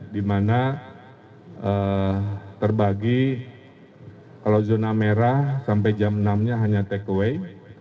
di mana terbagi kalau zona merah sampai jam enam nya hanya take away